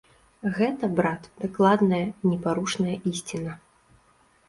Гэта, брат, дакладная, непарушная ісціна.